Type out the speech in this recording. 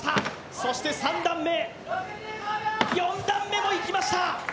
そして３段目、４段目も行きました。